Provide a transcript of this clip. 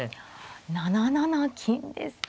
７七金ですか。